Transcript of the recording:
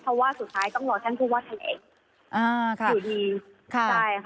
เพราะว่าสุดท้ายต้องรอแท่งคู่ว่าทะเลอยู่ดีค่ะ